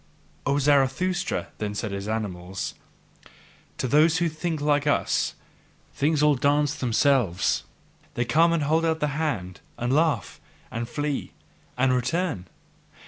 "O Zarathustra," said then his animals, "to those who think like us, things all dance themselves: they come and hold out the hand and laugh and flee and return.